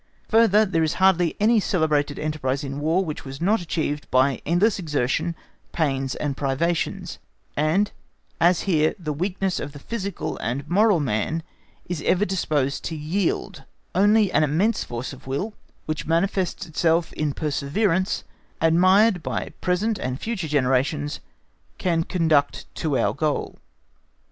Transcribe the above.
Further, there is hardly any celebrated enterprise in War which was not achieved by endless exertion, pains, and privations; and as here the weakness of the physical and moral man is ever disposed to yield, only an immense force of will, which manifests itself in perseverance admired by present and future generations, can conduct to our goal.